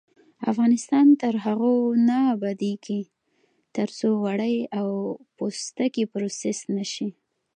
افغانستان تر هغو نه ابادیږي، ترڅو وړۍ او پوستکي پروسس نشي.